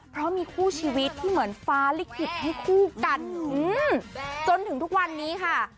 เพราะมีคู่ชีวิตที่เหมือนฟ้าลิขิตให้คู่กันจนถึงทุกวันนี้ค่ะ